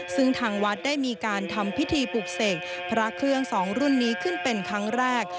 ซึ่งทางวัดได้มีการทำพิธีปลูกเสกพระเครื่องสองรุ่นนี้ขึ้นเป็นครั้งแรก